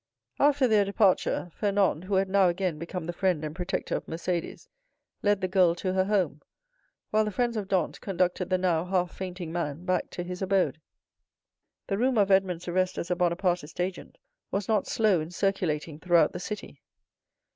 After their departure, Fernand, who had now again become the friend and protector of Mercédès, led the girl to her home, while some friends of Dantès conducted his father, nearly lifeless, to the Allées de Meilhan. The rumor of Edmond's arrest as a Bonapartist agent was not slow in circulating throughout the city.